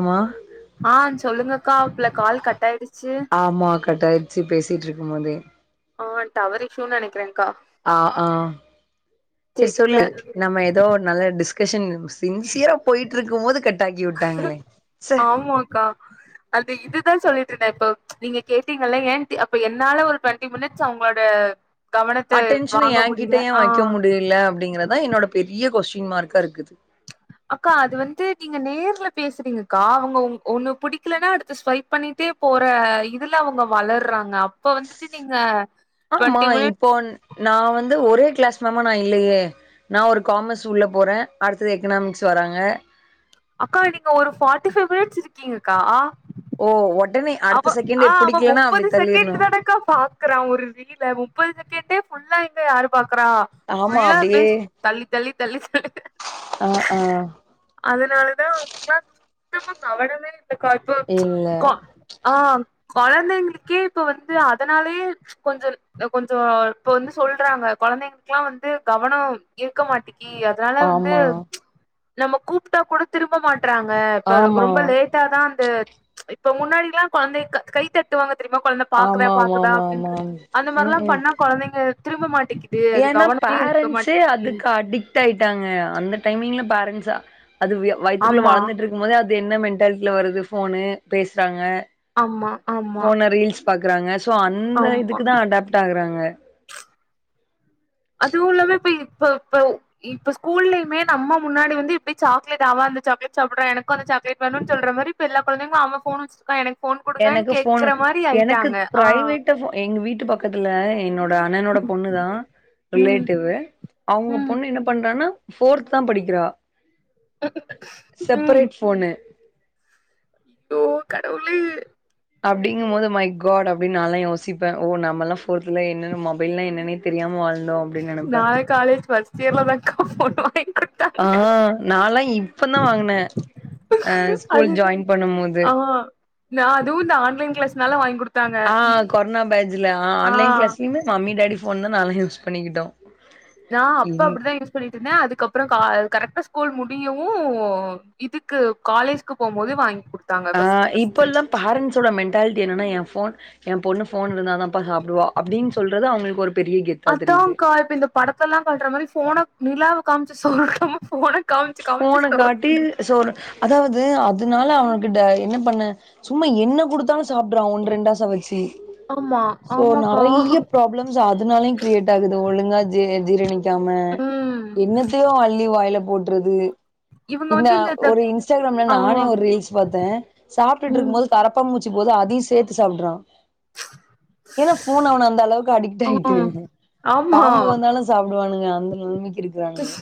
அமா ஆ சொல்லுங்கக்கா ப்ள கால் கட்டாயிடுச்சு ஆமா கட்டாய்ச்சி பேசிட்ருக்கும் போதே ஆ டவர் இஷ்யூ நெனக்றேன்கா அ ஆ செரி தெரில சொல்லு நம்ம எதோ நல்ல டிஸ்க்கஷன் நூஸ் பின்சியரா போயிட்ருக்கும் போது கட்டாக்கி விட்டாங்களே ச்ச ஆமோக்கா அது இதுதா சொல்லிட்ருந்தே இப்பொ நீங்க கேட்டீங்கல்ல ஏன்ட்டு அப்ப என்னால ஒரு ட்வெண்ட்டி மினிட்ஸ் அவுங்ளோட கவனத்த வாங்க முடியல ஆ இல்ல அப்டிங்கறதா என்னோட பெரிய கொஷின் மார்க்காருக்குது அக்கா அது வந்து நீங்க நேர்ல பேசுறீங்கக்கா அவுங்கவு ஒண்ணு புடிக்கலன்னா அடுத்து ஸ்வைப் பண்ணிட்டே போற இதுல அவுங்க வளர்றாங்க அப்ப வந்துட்டு நீங்க ஆமா டுவெண்ட்டி மினிட்ஸ் இப்போன் நா வந்து ஒரே க்ளாஸ் மேமா நா இல்லயே நா ஒரு காமஸ் உள்ள போறே அடுத்தது எக்கனாமிக்ஸ் வராங்க அக்கா நீங்க ஒரு ஃபாட்டி ஃபைவ் மினிட்ஸ் இருக்கீங்கக்கா ஓ ஒடனே அவ ஆ அவ முப்பது செக்கெண்டு தானக்கா பாக் க்குறா ஒரு ரீல முப்பது செக்கேண்டே ஃபுல்லா இங்க யாரு பாக்குறா ஆமா ஃபுல்லா அப்படியே பேஜ் தள்ளி தள்ளி தள்ளி தள்ளி ஆ ஆ அதனாலதா அவுங்ளா சுத்தமா கவனமே இல்லக்கா இப்பல்லா இல்ல க்கா ஆ கொழந்தைங்களுக்கே இப்ப வந்து அதனாலயே கொஞ்சோ ல் கொஞ்சோ இப்ப வந்து சொல்றாங்க கொழந்தைங்ளுக்குலா வந்து கவனோ இருக்க மாட்டிக்கி அதுனால வந்து ஆமா நம்ம கூப்ட்டா கூட திரும்ப மாட்றாங்க இப்ப இருக் ஆமா ரொம்ப லேட் டாதா அந்த இப்ப முன்னாடிலா கொழந்தைக் க கைத்தட் ட்டுவாங்க தெரியுமா கொழந்த பாக்குதா ஆமா ஆமா பாக்குதா ஆமா ஆமா அப்டின்ற அந்த ம் மாரில்லா ம் பண்ணா கொழந்தைங்க திரும்ப மாட்டிக்கி ஏன்னா ப்பேரண்ஸே அதுக்கு அடிக் டாய்ட்டாங்க அந்த டைமிங்ல ப்பேரண்சு அது வியா வய்த்துக்குள்ள ஆமா வளந்துட்ருக் கும்போதே அது என்ன மென்டால்ட்டில வருது ஃபோனு பேசுறாங்க ஆமா ஆமா ஃபோனு ரீல்ஸ் பாக்குறாங்க சோ அந்த ஆமா இதுக்குதா அடப்ட்டு ஆகுறாங்க அதுவுல்லாமே இப்ப இப்பப்வ் இப்ப ஸ்கூல்லயுமே நம்ம முன்னாடி வந்து இப்வே சாக்லேட் அவ அந்த சாக்லேட் சாப்புட்றான எனக்கு அந்த சாக்லேட் வேணுன்னு சொல்ற மாரி இப்ப எல்லா கொழந்தைங்களு அவ ஃபோன் வெச்சிருக்கா எனக் ஃபோன் குடுங்க எனக்கு கேக்கற மாரி ஆய்ட்டாங்க ஆ ட்ட ஃபோ எங்க வீட்டு பக்கத்துல என்னோட அண்ணனோட பொண்ணு தா ம் ரிலேட்டிவு அவுங்க ம் பொண்ணு என்ன பண்றானா ஃபோர்த் தா படிக்கிறா ம் ம் செப்பரேட் ஃபோனு ஐயோ கடவுளே அப்டிங்கு போது மை காட் அப்டின் நான்லா யோசிப்பே ஓ நம்மல்லா ஃபோர்த்ல என்னென்ன மொபைல்லா என்னன்னே தெரியாம வளந்தோ நாலா காலேஜ் ஃபஸ்டியர்லதாக்கா ஃபோனு வாங்கி குடுத்தாங்க ஆ நால்ளா இப் இப்பந்தா வாங்குனே அ ஸ்கூல் அதுதா ஜாய்ன் பண்ணும் போது ஆ நா அதுவு இந்த ஆன்லைன் க்ளாஸ்னால வாங்கி குடுத் ஆ கொரோனா பேஜ்ல ஆ ஆன்லைன் க்ளஸ்லயுமே மம்மி டடி ஃபோன் தா நால்லா யூஸ் பண்ணிக்கிட்டோ நா அப்ப ம் அப்டிதா யூஸ் பண்ணிட்ருந்தே அதுக்கப்புறோ கா கரெக்ட்டா ஸ்கூல் முடியவு இதுக்கு காலேஜ்க்கு போம்போது வாங்கி குடுத் ஆ இப்பொல்லா ப்பேரண்ட்ஸோட மென்டாலிட்டி என்னன்னா ஏ ஃபோன் ஏ பொண்ணு ஃபோன் இருந்தாதாப்பா சாப்டுவா அப்டின் சொல்றது அவுங்களுக்கு ஒரு பெரிய கெத்தா தெரியுது அத்தாங்க்கா இப்ப இந்த படத்தெலல்லா காட்ற மாரி ஃபோன நிலாவ காம்ச்சு சோறுட்டாம ஃபோன காம்ச் ஃபோன காட்டி சோறு அதாவது அதனால அவனுகிட்ட என்ன பண்ண சும்மா என்ன குடுத்தாலு சாப்டுறா ஒன்னு ரெண்டாச வச்சு ஆமா சோ ஆமாக்கா நறைய ப்ராப்ளம் கொஞ்சோ அதனாலயு கிரியேடாகுது ஒழுங்கா ஜீ ஜீரணிக் காம ம் என்னத்தையோ அள்ளி வாயில போட்றது இந்த ஒரு இன்ஸ்டாகிராம்ல ஆ நானே ஒரு ரீல்ஸ் பாத்தே ம் சாப்ட்டுருக்கு போது கரப்பா மூச்சி போது அதையு சேத்து சாப்டறா ஏன்னா ஃபோன் அவன அந்த அளவுக்கு அடிக்ட் ஆ ஆயிட்டு ஆமா பாம்பு வந்தாலு சாப்படுவானுங்க அந்த நலமைக்கு இருக்குறானுங்க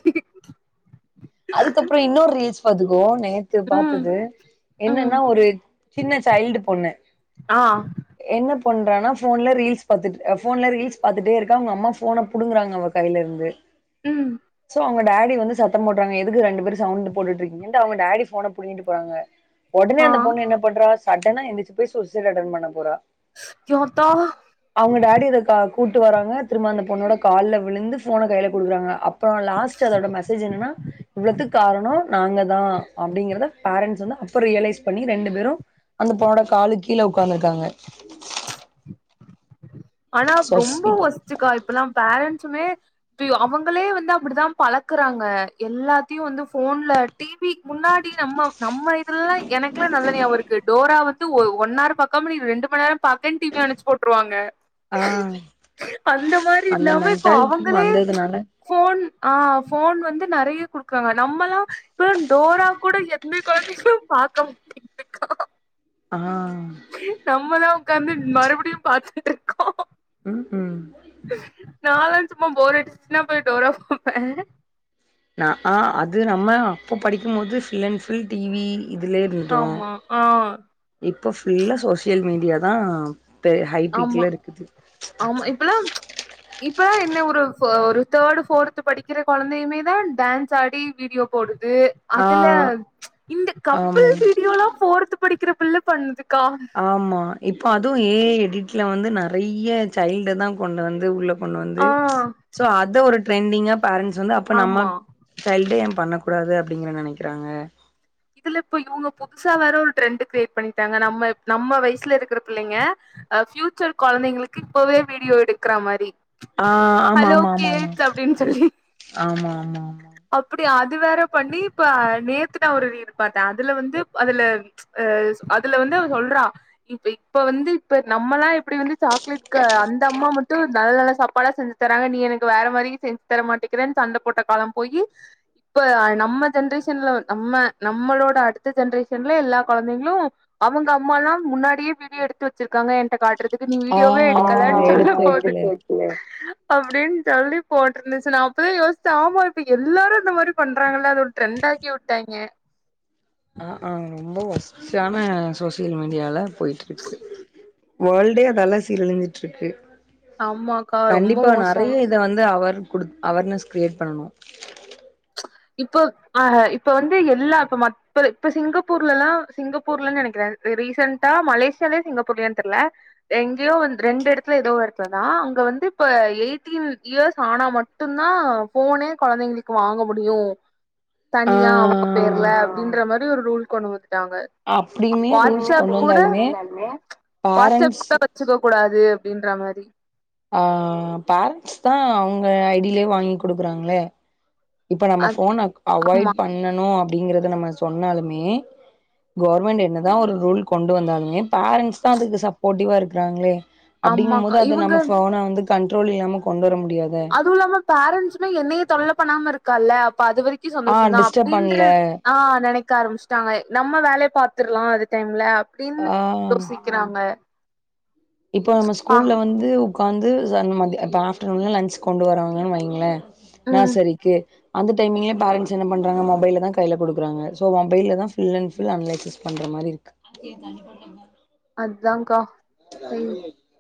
அதுக்கப்புற இன்னொரு ரீல்ஸ் பாத்துக்கோ நே த்து ம் பாத்தது ம் என்னன்னா ஒரு சின்ன சைல்டு பொண்ணு ஆ என்ன பண்றானா ஃபோன்ல ரீல்ஸ் பாத்துட் எ ஃபோன்ல ரீல்ஸ் பாத்துட்டே இருக்கா அவங்க அம்மா ஃபோன புடுங்கறாங்க அவக் கைலருந்து ம் சோ அவங்க டாடி வந்து சத்தோப் போட் டாங்க எதுக்கு ரெண்டு பேரு சவுண்ட்டு போட்டு இருக்கிங்கன்டு அவங்க டாடி ஃபோன புடிங்கிட்டு போறாங்க ஒடனே ஆ அந்த பொண்ணு என்ன படுறா சடனா எந்திரிச்சு போய் சுசைடு அட்டென் பண்ண போறா ஸ் யாத்தா அவங்க டாடி இத கா கூட்டு வராங்க திரும்ப அந்த பொண்ணோட கால்ல விழுந்து ஃபோனை கைல குடுக்குறாங்க அப் அப்புற லாஸ்ட் அதோட மெசேஜ் என்னனா இவ்ளதுக்கு காரணோ நாங்க தா அப்படிங்கறத பேரண்ட்ஸ் வந்து அப்பற ரியலைஸ் பண்ணி ரெண்டு பேரு அந்த பொண்ணோட காலுக்கு கீழ உக்காந்துருக்காங்க ஆனா ரொம்ப சொசைட்டி ஒர்ஸ்ட்க்கா இப்பல்லா பேரண்ட்ஸுமே அவங்களே வந்து அப்படித்தா பழக்குறாங்க எல்லாத்தையு வந்து ஃபோன்ல டி வி முன்னாடி நம்ம நம்ம இதெல்லா எனக்குல்லா நல்லா ஞாபகோ இருக்கு டோரா வந் து ஒன்னார் பாக்காம நீ ரெண்டு மணி நேரோ பாக்கனு டிவி அனச்சி போட்டுருவாங்க ஆ அந்த மாரி அந்த இல்லாம இப்போ மென்டாலிட்டி அவங்களே ம்ச் வந்ததுனால ஃபோன் ஆ ஃபோன் வந்து நறையா குடுக்குறாங்க நம்மல்லா இப்ப டோரா கூட எப் இந்த கொழந்தைகள்ளா பாக்க மாட்டேங்குதுக்கா ஆ நம்ம தா உக்காந்து மறுபடியு பாத்துட்டு இருக் உம் உம் நாலா சும்மா போர் அடிச்சுச்சுன்னா போயி டோரா பாப்பே ந ஆ ஆ அது நம்ம அப்போ படிக்கும்போது full and full T V இதுலயே இருண்டோ ஆமா ஆ இப்போ ஃபுல்லா சோசியல் மீடியா தா பெ ஹை பீக்ல இருக்குது ஆ இப்பல்லா ம்ச் இப்பல்லா என்ன ஒரு ஒரு தேர்டு ஃபோர்து படிக்கிற கொழந்தையுமே தா டான்ஸ் ஆடி வீடியோ போடுது ஆ அதுல ம்ச் இந்த கப்பிள் ஆமா வீடியோலா ஃபோர்து படிக்கிற பிள்ள பண்ணுதுக்கா ஆமா இப்ப அதுவு ஏ ஐ எடிட்ல வந்து நறைய சைல்ட தா கொண்டு வந்து உள்ள கொண்டு வந்து ஆ சோ அத ஒரு ட்ரெண்டிங்கா பேரண்ட்ஸ் வந்து அப்ப நம்ம ஆமா சைல்டே ஏன் பண்ண கூடாது அப்படிங்கிற நெனைக்கிறாங்க இதுல இப்ப இவங்க புதுசா வேற ஒரு ட்ரெண்டு் கிரியேட் பண்ணிட்டாங்க நம்ம நம்ம வயசுல இருக்கிற புள்ளங்க ஆ ஃபியூச்சர் கொழந்தைங்களுக்கு இப்பவே வீடியோ எடுக்கற மாரி ஆ ஆமா ஹலோ ஆமா ஆமா ஆமா கிட் அப்டின்னு சொல்லி ஆமா ஆமா அப்டி அது வேற பண்ணி இப்ப நேத்துனா ஒரு நரீல் பாத்த அதுல வந்து அதுல ம்ச் அதுல வந்து அவ சொல்றா இப்ப இப்ப வந்து இப்ப நம்மல்லா எப்படி வந்து சாக்லேட்டுக்கு அந்த அம்மா மட்டு நல்ல நல்ல சாப்பாடா செஞ்சு தராங்க நீ எனக்கு வேற மாரி செஞ்சு தர மாட்டேக்கிற சண்ட போட்ட காலம் போயி இப்ப நம்ம ஜென்ரேஷன்ல நம்ம நம்மளோட அடுத்த ஜென்ரேஷன்ல எல்லா கொழந்தைங்களு அவங்க அம்மாலா முன்னாடியே வீடியோ எடுத்து வெச்ச வச்சிருக்காங்க என்ட காட்டுறதுக்கு நீ ஆ வீடியோவே எடுக்கலனு சொல்ல எடுத்து போது வைக்கல ஆ அப்பிடின்னு சொல்லி போட்டிருந்துச்சு நா அப்பதா யோசிச்சே ஆமா இப்ப எல்லாரு இந்த மாரி பண்றாங்கள அது ஒரு ட்ரெண்ட் ஆக்கி உட்டாங்க ஆ ஆ ரொம்ப வொர்ஸ்ட்யான சோசியல் மீடியால போயிட்டு இருக்கு வேர்ல்டே அதால்ல சீரழிஞ்சிட்டு இருக்கு ஆமாக்கா ரொம்போ மோசோ இத வந்து அவர் கொடுத்து அவர்னஸ் கிரியேட் பண்ணனு இப்ப ஆ இப்ப வந்து எல்லா இப்ப மத்த இப்ப இப்ப சிங்கப்பூர்லல்லா சிங்கப்பூர்லன்னு நெனைக்கிறே ரீசெண்டா மலேசியாலயா சிங்கப்பூர்லயானு தெர்ல எங்யோ வந்து ரெண்டு இடத்துல ஏதோ எடத்துல தா அங்க வந்து இப்ப எயிட்டீன் இயர்ஸ் ஆனா மட் மட்டுந்தா போனே கொழந்தைங்களுக்கு வாங்க முடியு ஆ தனியா அவங்க பேர்ல அப்படின்ற மாரி ஒரு ரூல் கொண்டு வந்துட்டாங்க அப்டியுமே ரூல்ஸ் வாட்ஸ்அப் கொண்டு கூட வந்தாலுமே வாட்ஸ்அப் பேரண்ட்ஸ் கூட சுக்க கூடாது அப்டின்ற மாரி ஆ பேரண்ட்ஸ் தா அவங்க ஐடியிலயே வாங்கி குடுக்குறாங்களே இப்ப நம்ம அத் ஃபோன அவாய்ட் ஆமா பண்ணணு அப்டிங்கறத நம்ம சொன்னாலுமே கவர்மெண்ட் என்னதா ஒரு ரூல் கொண்டு வந்தாலுமே பேரண்ட்ஸ் தா அதுக்கு சப்போர்ட்டிவா இருக்குறாங்களே அப்டிங்கும் ஆமாக்கா போது அத இவுங்க நம்ம ஃபோன வந்து கண்ட்ரோல் இல்லாம கொண்டு வர முடியாதே அதுவுல்லாம பேரண்ட்ஸுமே என்னைய தொல்ல பண்ணாம இருக்கால்ல அப்ப அது வரைக் கு ஆ சந்தோஷ தா டிஸ்டர்ப் அப்டின்ற பண்ல ஆ நெனைக் க்க ஆரம்பிச்சுட்டாங்க நம்ம வேலய பாத்துர்லா அந்த டைம்ல அப்டின்னு ஆ யோசிக்கிறாங்க இப்போ நம்ம பா ஸ்கூல்ல வந்து உக்காந்து ய அந்த மாதி அதா ஆப்டர்நூன்ல லன்ச் கொண்டு வரவங்கன்னு வைங்களே நா ம் சரிக்கு அந்த டைம்லயு பேரன்ஸ் என்ன பண்றாங்க மொபைல தா கையில குடுக்குறாங்க சோ மொபைல்ல தா ஃபுல் அண்ட் ஃபுல் அன்லைஸிஸ் பண்ற மாரி இருக்கு ஏ தண்ணீ ப அதாக்கா சரி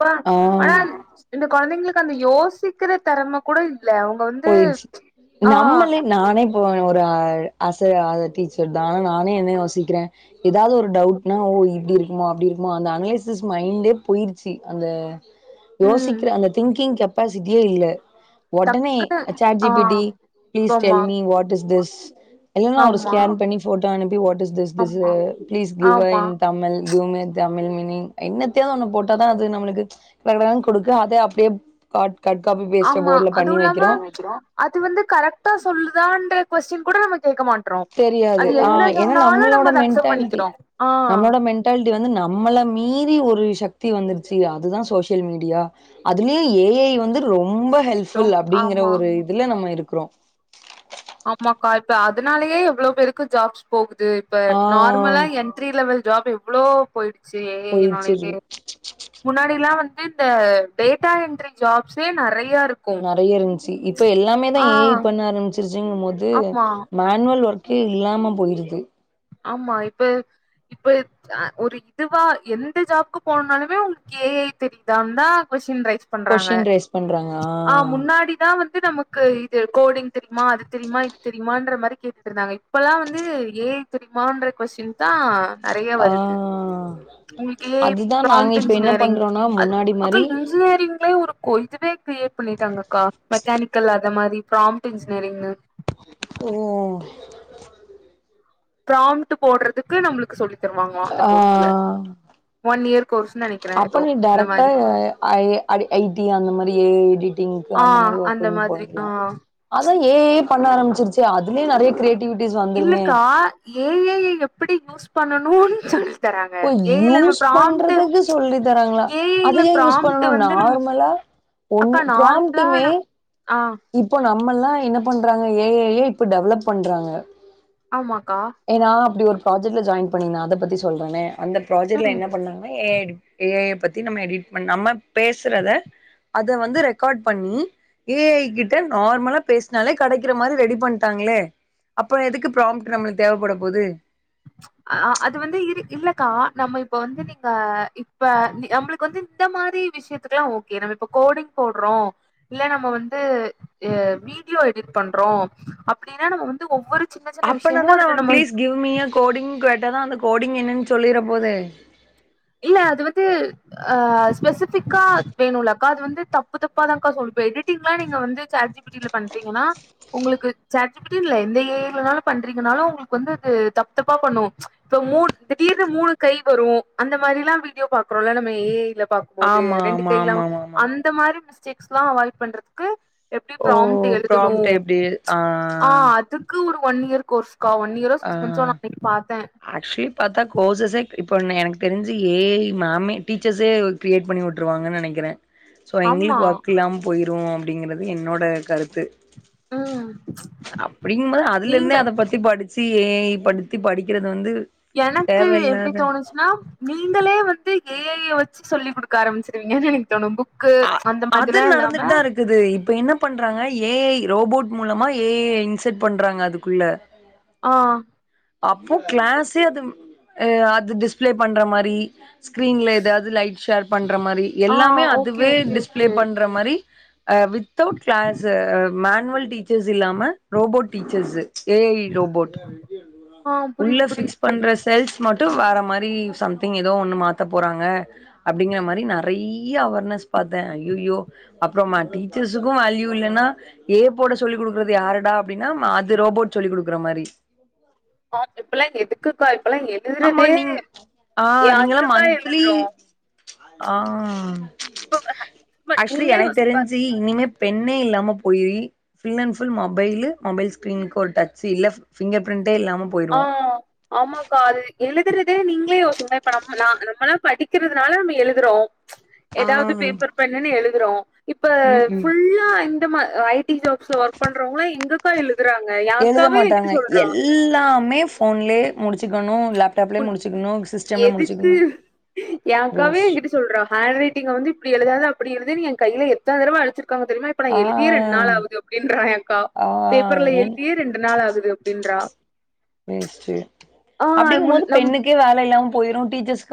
ப்ற ஆ ஆனா இந்த கொழந்தைங்ளுக்கு அந்த யோசிக்குற தெறம கூட இல்ல வந்து போயிச்சு ஆ நம்மளே நானே இப்ப ஒரு அசிரியராக டீச்சர் தான் நானே என்ன யோசிக்கிற ஏதாவது ஒரு டவுட்னா ஓ இப்டி இருக்குமோ அப்டி இருக்குமோ அந்த அனலிசிஸ் மைண்டே போயிருச்சு அந்த ம் யோசிக்கிற அந்த திங்கிங் கெப்பாசிட்டியே இல்ல ஒடனே டக்குனு அ ஆ சாட்ஜிபிடி ப்ளீஸ் ஆமா tell me what is this இல்லன்னா ஒரு ஆமா ஸ்கேன் பண்ணி ஃபோட்டோ அனுப்பி வாட் இஸ் திஸ் ஆமா பிளீஸ் கிவ் ஆமா in Tamil give me Tamil meaning இன்னத்தா ஒண்ணு போட்டாதா அது நம்மளுக்கு எடொ கொடுக்க அதே அப்டியே காட் காட் காப்பி பேஸ்ட் ஆமா போட்ல அதுவு பண்ணி வைக்கிறோ இல்லாம அது வந்து கரெக்டா சொல்லுதான்ற கொஸ்டின் கூட நம்ம கேக்க மாட் றோ தெரியாது அது ஆ என்ன ஏன்னா சொன்னாலு நம்மளோட நம்ம அத அக்செப்ட் பண்ணிக்கிறோ ஆ டால்ட்டு வந்து நம்மள மீறி ஒரு சக்தி வந்துருச்சு அதுதா சோசியல் மீடியா அதுலயு ஏ ஐ வந்து ரொம்ப ஹெல்ப் ஃபுல் ரொம் அப்டிங்கற ஆமா ஒரு இதுல நம்ம இருக்குறோ ஆமாக்கா இப்ப அதுனாலயே எவ்ளோ பேருக்கு ஜாப்ஸ் போகுது இப்ப ஆ நார்மலா என் ட்ரீ லெவல் ஜாப் எவ்ளோ போயிடுச்சு ஏ போயிடுச்சு ஐனாலையே இருக்கு. முன்னாடில்லா வந்து இந்த டேட்டா என்ட்ரி ஜாப்ஸே நெறைய இரு நறைய இருந்ச்சு இப்ப எல்லாமேதா ஏ ஐ பண்ண ஆரம்பிச்சிருச்சுங்கும்போது ஆமா மேனுவல் ஒர்க்கே இல்லாம போயிடுது ஆமா இப்ப இப்ப ஆ ஒரு இதுவா எந்த ஜாப்கு போனுனாலமே உங்களுக்கு ஏ ஐ தெரியுதான்னு தா கொஸ்டீன் ரைஸ் பண்றாங்க கொஸ்டின் ரைஸ் பண்றாங்க ஆ முன்னாடிதா வந் து நமக்கு இது கோடிங் தெரியுமா அது தெரியுமா இது தெரியுமான்ற மாரி கேட்டுட்டு இருந்தாங்க இப்பல்லா வந்து ஏ ஐ தெரியுமான்ற கொஸ்டின் தா நெறைய ஆ வருது உங்களுக்கு ஏ ஐ அதுதா நாங்க பராம்ட் இப்ப என்ன இன்ஜினியரிங் பண்றோனா அது முன்னாடி அக்கா மாரி இப்ப நிங்க ச் இன்ஜினியரிங்க்ளேயே ஒரு கோ இதுவே கிரியேட் பண்ணிட்டாங்கக்கா மெக்கானிக்கல்ல அந்த மாரி ப்ராம்ட் இன்ஜின்யரிங்னு ம் ப்ரோம்ட்டு போடுறதுக்கு நம்மளுக்கு சொல்லி தருவாங்களா அந்த கோர்ஸ்ல ஆ ஒன் இயர் கோர்ஸ்ன்னு நெனைக்கிறே அப்ப ஏதோ நீ அந்த டைரக்டா மாரி ஐ ஐ ஐடி அந்த மாரி ஏ ஐ எடிங்கு ஆ அ அந்த மாதிரி ஆ அதா ஏ ஐ யே பண்ண ஆரம்பிச்சிருச்சே அதுவே நெறைய கிரியேட் இல்லக்கா ஏ ஐய எப்டி யூஸ் பண்ணணுன் சொல் தராங்க ஓ ஏ ஐயில நம்ம யூஸ் பிராம்ட்டு பண்றதுக்கு சொல்லி தராங்களா ஏ ஐல அது ஏ யூஸ் பண்ணணு பிராம்ட்டு வந்து நம் நார்மலா அக்கா ஒன்னு நார்மலா ப்ராம்ட்டுமே ந ஆ இப்போ நம்மல்லா என்ன பண்றாங்க ஏ ஐயே இப்போ டெவலப் பண்றாங்க ஆமாக்கா ஏ நா அப்டி ஒரு ப்ராஜெக்ட்ல ஜாயின் பண்ணிருந்த அத பத்தி சொல்றேனே அந்த ப்ராஜெக்ட்ல ம் என்ன பண்ணாங்கன்னா ஏ ஐ டிப் ஏ ஐய பத்தி நம்ம எடிட் பண்ணி நம்ம பேசுறத அத வந்து ரெக்கார்ட் பண்ணி ஏ ஐ கிட்ட நார்மலா பேசினாலே கெடைக்கிற மாரி ரெடி பண்ட்டாங்களே அப்பறோ எதுக்கு பிராம்ண்ட் நம்மளுக்கு தேவப்பட போது அ அது வந்து இரு இல்லக்கா நம்ம இப்ப வந்து நீங்க இப்ப நம்ளுக்கு வந்து இந்த மாதிரி விஷ்யம் லா ஓகே நம்ம இப்ப கோடிங் போட்றோ இல்ல நம்ம வந்து வீடியோ அ எடிட் பண்றோ அப்டின்னா நம்ம வந்து ஒவ்வொரு சின்ன சின்ன அப்பனா விஷயமு தா அதுல நம் நம்ம பிளீஸ் கிவ் மீய கோடிங் கேட்ட தா அந்த கோடிங் என்னன்னு சொல்லிர போது இல்ல அது வந்து ஆ ஸ்பெசிபிக்கா வேணுல்ல அக்கா அது வந்து தப்பு தப்பாதாக்கா சொல் இப்ப எடிங்லாம நீங்க வந்து சாட்ஜி பி டில பண்றீங்கன்னா உங்களுக்கு சேட் ஜி பி டி இல்ல எந்த ஏ ஐ லனாலும் பண்றீங்கனாலும் உங்களுக்கு வந்து அது தப்பு தப்பா பண்ணு இப்ப மூன் திடீர்னு மூணு கை வரும் அந்த மாரிலா வீடியோ பாக்றோல்ல நம்ம ஏ ஐல பாக் போது ஆமா ரெண்டு ஆமா கை எல்ல ஆமா ஆமா ஆமா அந்த மாரி மிஸ்டேக்ஸ்ல்லா அவாய்ட் பண்றதுக்கு எப்டி ஓ பிராம்ன்ட் எழுதணு ப்ராம்ப்ட் எப்டி ஆ அது க்கு ஒரு ஒன் இயர் கோர்ஸ்க்கா ஒன் இயர் சிக்ஸ் மந்த் ஆ அன்னைக்கு பார்த்தே ஆக்சுவலி பாத்தா கோர்சஸே இப்போ எனக்கு தெரிஞ்சு ஏ மேம டீச்சர்ஸே கிரியேட் பண்ணி வுட்டுருவாங்கன்னு நெனைக்கிறே சோ ஆமா எங்களுக்கு ஒர்க் இல்லாம போயிரும் அப்டிங்கறது என்னோட கருத்து ம் அப்டிங்கும்போது அதுல நீங்க இருந்தே அத பத் தி படிச்சு ஏ ஐய படுத்தி படிக்கிறது வந்து எனக்கு எப்டி தேவயில்லாத தோணுச் சுனா நீங்களே வந்து ஏ ஐய வச்சு சொல்லி குடுக்க ஆரம்பிச்சிடுவிங்கனு எனக்கு தோணும் ரொம்போ க்கு அந்த மாதிரிலா இல்லாம ரிது இப்போ ன்ன பண்றாங்க ஏ ஐ ரோபோட் மூலமா ஏ ஐ இன்செர்ட் பண்றாங்க அதுக்குள்ள ஆ அப்போ கிளாஸே அது ஹ் அது டிஸ்பிளே பண்ற மாரி ஸ்க்ரீன்ல ஏதாவது லைட் ஷேர் பண்ற மாரி ஆ எல்லாமே ஓகே அதுவே ஓகே ஓகே டிஸ்பிளே பண்ற மாரி அஹ் வித்தவுட் கிளாஸ் மேனுவல் டீச்சர்ஸ் இல்லாம robot teachers A I robot ஆ உள்ள புரியுது புரியுது பிக்ஸ் பண்ற செல்ஸ் மட்டு வேற மாரி சம்திங் ஏதோ ஒண்ணு மாத்த போறாங்க அப்டிங்கிற மாரி நெறைய அவேர்னஸ் பார்த்தே ஐயைய்யோ அப்புறம்மா டீச்சர்ஸ்க்கு வால்யூ இல்லன்னா ஏ போட சொல்லிக் குடுக்குறது யாருடானா அப்டின்னா அது ரோபோட் சொல்லி குடுக்குற மாரி ஆம் இப்பல்லா எதுக்குக்கா இப்பல்லா ஆமா எழுதுறதே நீங் ஆ நீங்கல்லா யாருக்குக்கா மந்த்லி எழுதுறோ ஆ இப்ப ஹஸ்பண்ட் ஆக்ஷிலி நீங்களே எனக்கு யோசிச்சு பாருங்க தெரிஞ்சி இனிமே பென்னே இல்லாம போயுயி full and full mobile mobile ஸ்க்ரீனுக்கு ஒரு டச்சு இல்ல பிங்கர் பிரிண்ட்டே இல்லாம ஆ போயிருவோ ஆமாக்கா அது எழுதுறதே நீங்களே யோசிங்லே இப்ப நம்ம நா நம்மளா படிக்கிறதுனால ம்ம எழுதுறோ ஆ ஏதாவது பேப்பர் பென்னுன்னு எழுதுறோ உம் உம் ஐடி ஜாப்ஸ்ல ஒர்க் பண்றவங்கள எங்கக்கா எழுதுறாங்க ஏ எழுத அக்காவே மாட்டாங்க என்கிட்டு சொல்றா எல்லாமே போன்லயே முடிச்சுக்கணு லேப் டாப்லயே உன் முடிச்சக்கணு சிஸ்டம்ல எதுக்கு முடிச்சக்கணு என் அக்காவே வேஸ்ட் என்கிட்ட சொல்றா ஹாண்ட் ரைட்டிங்க வந்து இப்டி எழுதாத அப்டி எழுதுனு என் கையில எத்தன தடவ அடிச்சிருக்காங்க தெரிமா இப்ப நா ஆ எழுதியே ரெண்டு நாள் ஆகுது அப்டின்றா ஏ அக்கா ஆ பேப்பர்ல என் எழுதியே ரெண்டு நாள் ஆகுது அப்டின்றா வேஸ்டு ஆஹ் அப்டிங்கும் முன் போது நம் பென்னுக்கே வேல இல்லாம போயிரும் டீச்சர்ஸ்கே